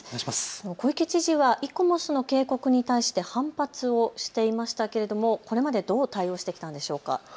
小池知事はイコモスの警告に対して反発をしていましたけれどもこれまでどう対応をしてきたんでしょうか。